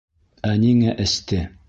Ә ниңә эсте?